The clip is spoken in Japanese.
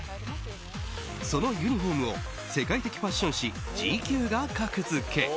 そのユニホームを世界的ファッション誌「ＧＱ」が格付け。